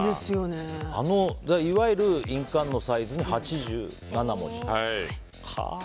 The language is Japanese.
あの、いわゆる印鑑のサイズに８７文字。